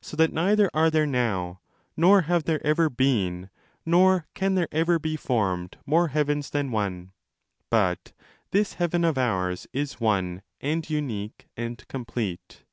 So that neither are there now, nor have there ever been, nor can there ever be formed more heavens than one, but this heaven of ours is one and unique and complete.